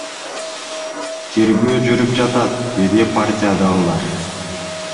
Тергөө жүрүп жатат, — деди партиядагылар.